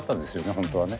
本当はね。